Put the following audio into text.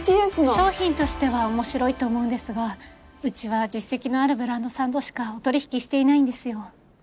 商品としては面白いと思うんですがうちは実績のあるブランドさんとしかお取引していないんですよ。